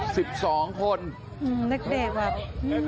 ไปบอกมานู้นไปบอกมานู้นเร็ว